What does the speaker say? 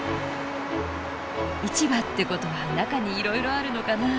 市場ってことは中にいろいろあるのかな？